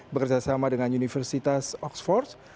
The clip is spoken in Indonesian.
bekerjasama dengan universitas oxford